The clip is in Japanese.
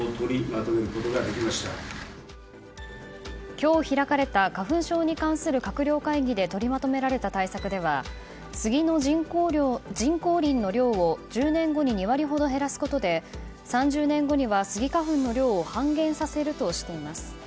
今日開かれた花粉症に関する閣僚会議で取りまとめられた対策ではスギの人工林の量を１０年後に２割ほど減らすことで３０年後にはスギ花粉の量を半減させるとしています。